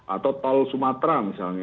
atau tol sumatera misalnya